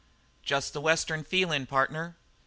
"Just the Western feeling, partner.